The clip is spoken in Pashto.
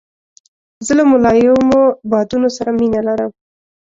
زه له ملایمو بادونو سره مینه لرم.